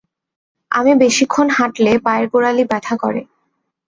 আমি বেশিক্ষণ হাঁটলে পায়ের গোরালি ব্যথা করে।